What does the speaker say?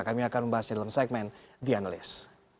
kami akan membahasnya dalam segmen the analyst